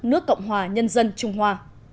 nước cộng hòa nhân dân trung hoa